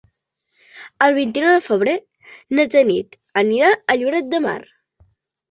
El vint-i-nou de febrer na Tanit anirà a Lloret de Mar.